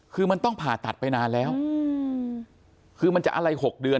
คือมันต้องผ่าตัดไปนานแล้วคือมันจะอะไร๖เดือน